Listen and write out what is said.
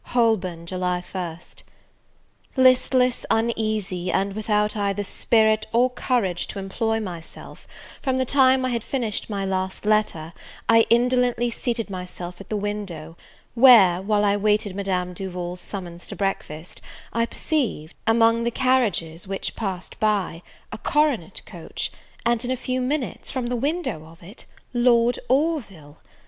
Holborn, July 1st. LISTLESS, uneasy, and without either spirit or courage to employ myself, from the time I had finished my last letter, I indolently seated myself at the window, where, while I waited Madame Duval's summons to breakfast, I perceived, among the carriages which passed by, a coronet coach, and in a few minutes, from the window of it, Lord Orville!